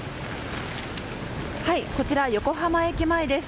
こちら、横浜駅前です。